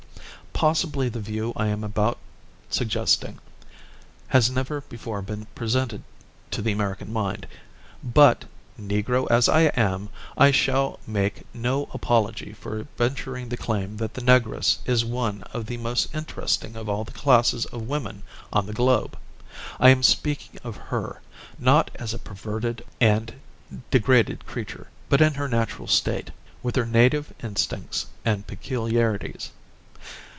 Possibly the view I am about suggesting has never before been presented to the American mind. But, Negro as I am, I shall make no apology for venturing the claim that the Negress is one of the most interesting of all the classes of women on the globe. I am speaking of her, not as a perverted and degraded creature, but in her natural state, with her native instincts and peculiarities.